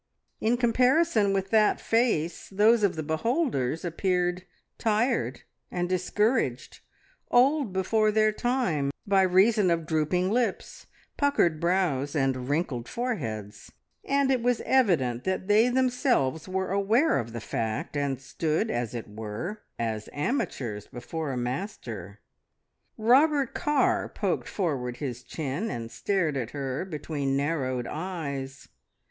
In comparison with that face those of the beholders appeared tired and discouraged, old before their time, by reason of drooping lips, puckered brows, and wrinkled foreheads; and it was evident that they themselves were aware of the fact, and stood, as it were, as amateurs before a master. Robert Carr poked forward his chin, and stared at her between narrowed eyes.